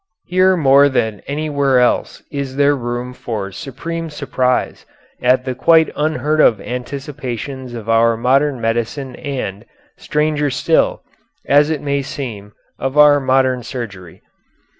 Here more than anywhere else is there room for supreme surprise at the quite unheard of anticipations of our modern medicine and, stranger still, as it may seem, of our modern surgery.